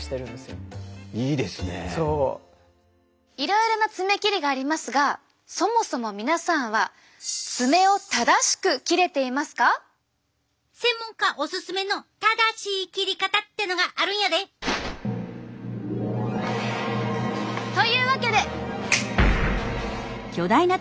いろいろな爪切りがありますがそもそも皆さんは専門家おすすめの正しい切り方ってのがあるんやで！というわけで！